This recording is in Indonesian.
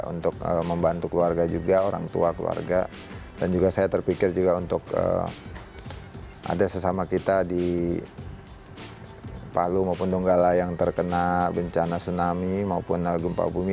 untuk membantu keluarga juga orang tua keluarga dan juga saya terpikir juga untuk ada sesama kita di palu maupun donggala yang terkena bencana tsunami maupun gempa bumi